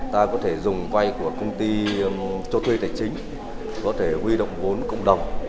ta có thể dùng vay của công ty cho thuê tài chính có thể huy động vốn cộng đồng